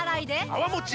泡もち